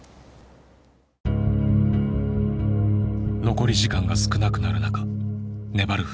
残り時間が少なくなる中粘る藤井。